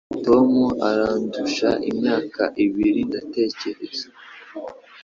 Tom arandusha imyaka ibiri, ndatekereza.